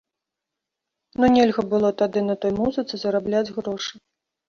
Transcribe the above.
Ну, нельга было тады на той музыцы зарабляць грошы.